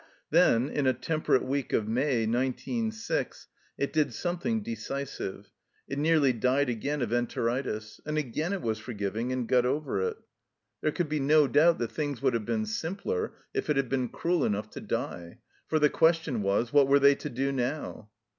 Then, in a temperate week of May, nine teen six, it did something decisive. It nearly died again of enteritis; and again it was forgiving and got over it. There could be no doubt that things would have been simpler if it had been cruel enough to die. For the question was: What were they to do now?